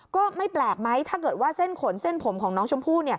ก็ไม่แปลกไหมถ้าเกิดว่าเส้นขนเส้นผมของน้องชมพู่